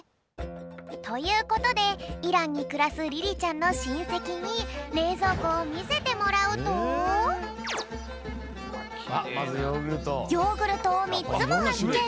ということでイランにくらすリリちゃんのしんせきにれいぞうこをみせてもらうとヨーグルトをみっつもはっけん！